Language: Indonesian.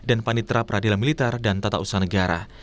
para hakim dan panitera peradilan militer dan tata usaha negara